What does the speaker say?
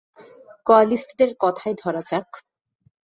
কোয়ালিস্টদের কথাই ধরা যাক।